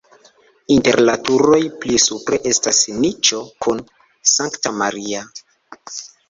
Inter la turoj pli supre estas niĉo kun Sankta Maria.